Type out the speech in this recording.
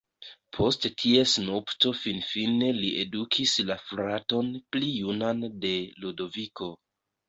Post ties nupto finfine li edukis la fraton pli junan de Ludoviko.